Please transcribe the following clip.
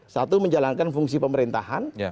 satu menjalankan fungsi pemerintahan